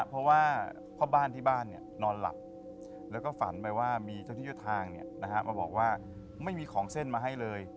เพราะว่าพ่อบ้านที่บ้านนอนหลับแล้วก็ฝันไปว่ามีเจ้าที่เจ้าทางมาบอกว่าไม่มีของเส้นมาให้เลย